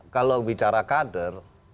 kalau bicara kader